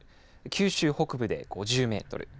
九州北部で５０メートル